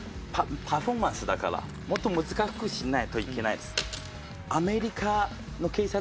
パフォーマンスだからもっと難しくしないといけないです。